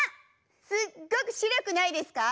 すっごく白くないですか？